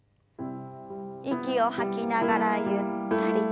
息を吐きながらゆったりと。